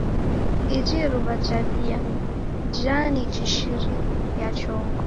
Iji iruwa jabia, jani jishiriya chongo.